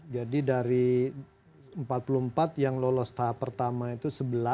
dari empat puluh empat yang lolos tahap pertama itu sebelas